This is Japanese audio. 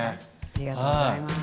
ありがとうございます。